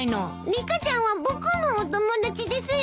リカちゃんは僕のお友達ですよ！